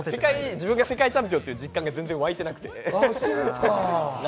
自分が世界チャンピオンという実感がわいていなくて。